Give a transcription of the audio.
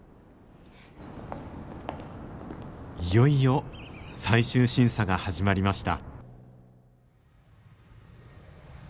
いよいよ最終審査が始まりました。